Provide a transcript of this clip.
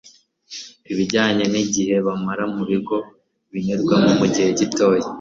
ibijyanye n igihe bamara mu bigo binyurwamo by igihe gito